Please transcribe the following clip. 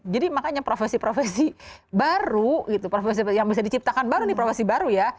jadi makanya profesi profesi baru gitu profesi profesi yang bisa diciptakan baru ini profesi baru ya